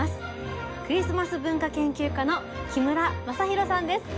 クリスマス文化研究家の木村正裕さんです。